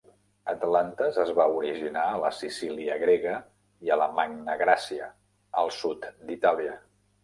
Atlantes es va originar a la Sicília grega i a la Magna Gràcia, al sud d'Itàlia.